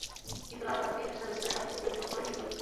কিন্তু লাল কার্ডটিই ম্যাচটা লেস্টারের হাত থেকে বের করে নিয়ে গেল।